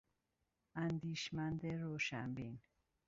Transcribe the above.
اندیشمند روشن بین